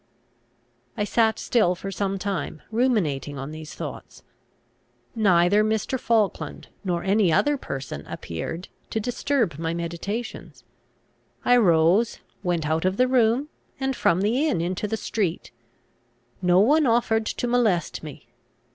I sat still for some time, ruminating on these thoughts. Neither Mr. Falkland nor any other person appeared to disturb my meditations. I rose, went out of the room, and from the inn into the street. No one offered to molest me.